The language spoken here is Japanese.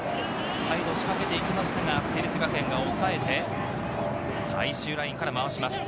再度、仕掛けていきましたが成立学園が抑えて、最終ラインから回します。